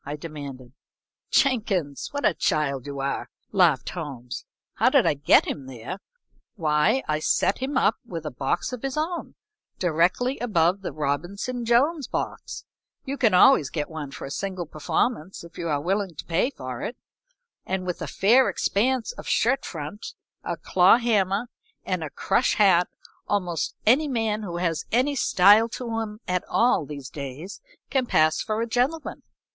I demanded. "Jenkins, what a child you are!" laughed Holmes. "How did I get him there? Why, I set him up with a box of his own, directly above the Robinson Jones box you can always get one for a single performance if you are willing to pay for it and with a fair expanse of shirt front, a claw hammer and a crush hat almost any man who has any style to him at all these days can pass for a gentleman.